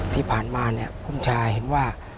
ที่ผ่านมานี่พวกผมชายเห็นว่า